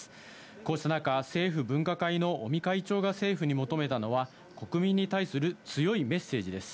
こうした中、政府分科会の尾身会長が政府に求めたのは、国民に対する強いメッセージです。